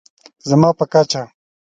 زما په کچه